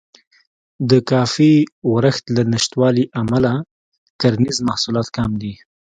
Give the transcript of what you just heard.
د کافي ورښت له نشتوالي امله کرنیز محصولات کم دي.